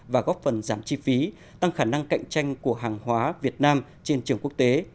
và góp phần giảm chi phí tăng khả năng cạnh tranh của hàng hóa việt nam trên trường quốc tế